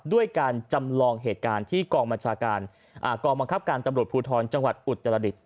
ด้วยการจำลองเหตุการณ์ที่กล่องบังคับการตำรวจภูทรจังหวัดอุตรฤษฐ์